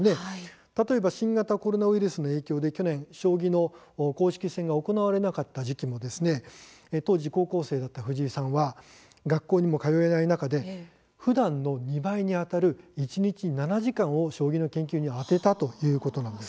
例えば新型コロナウイルスの影響で去年、将棋の公式戦が行われなかった時期も当時高校生だった藤井さんは学校にも通えない中でふだんの２倍にあたる一日７時間を将棋の研究に充てたということなんです。